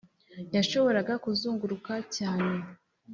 yashoboraga kuzunguruka cyane